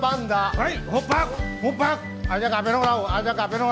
はい